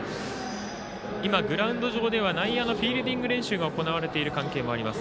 グラウンド上では内野のフィールディング練習が行われている関係もあります